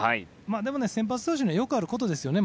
でも、先発投手にはよくあることですよね